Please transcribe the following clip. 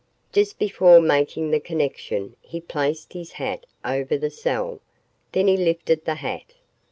Just before making the connection he placed his hat over the cell. Then he lifted the hat.